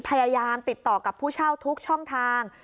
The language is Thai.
พยายามติดต่อกับผู้เช่าทุกช่องทาง